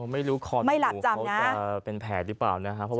ไม่รู้คอหมูเขาจะเป็นแผลหรือเปล่านะครับไม่หลับจำนะ